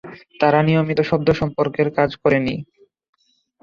তারা নিয়মিত শব্দ সম্পর্কের কাজ করেনি।